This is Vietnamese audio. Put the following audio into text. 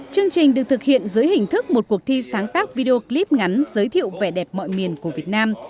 chương trình được thực hiện dưới hình thức một cuộc thi sáng tác video clip ngắn giới thiệu vẻ đẹp mọi miền của việt nam